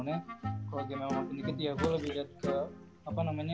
ya gue lebih liat ke